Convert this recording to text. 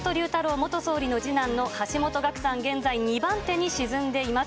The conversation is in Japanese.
元総理の次男の橋本岳さん、現在２番手に沈んでいます。